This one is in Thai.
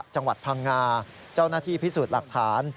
จังหวัดพังงาเจ้าหน้าที่พิสูจน์หลักฐาน